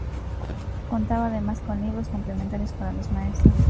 Contaba además con libros complementarios para los maestros.